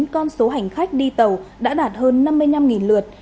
con số hành khách đi tàu đã đạt hơn năm mươi năm lượt